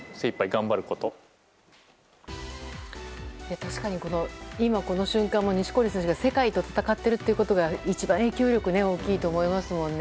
確かに、今この瞬間も錦織選手が世界と戦っているということが一番、影響力が大きいと思いますもんね。